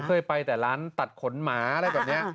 เคยไปแต่ร้านตัดขนหมาอะไรแบบนี้